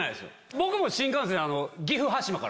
僕も新幹線。